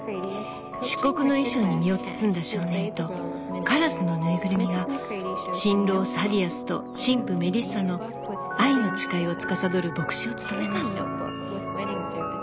漆黒の衣装に身を包んだ少年とカラスの縫いぐるみが新郎サディアスと新婦メリッサの愛の誓いをつかさどる牧師を務めます。